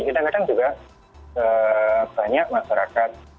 kadang kadang juga banyak masyarakat